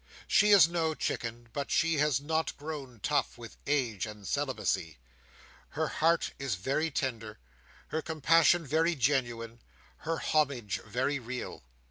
She is no chicken, but she has not grown tough with age and celibacy. Her heart is very tender, her compassion very genuine, her homage very real.